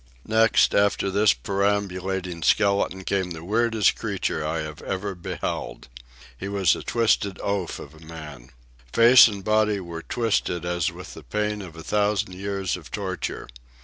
Next, after this perambulating skeleton, came the weirdest creature I have ever beheld. He was a twisted oaf of a man. Face and body were twisted as with the pain of a thousand years of torture.